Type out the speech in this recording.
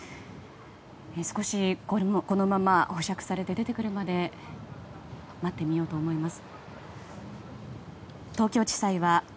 少し、このまま保釈されて出てくるまで待ってみようと思います。